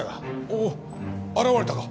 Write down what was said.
おお現れたか。